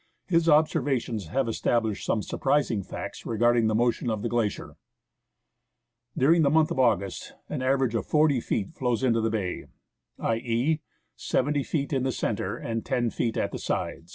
His observations have established some sur prising facts regarding the motion of the glacier. During the month of August, an average of 40 feet flows into the bay, i.e., 70 feet in the centre and 10 feet at the sides.